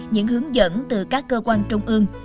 những hướng dẫn từ các cơ quan trung ương